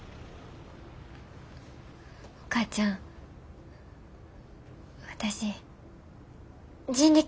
お母ちゃん私人力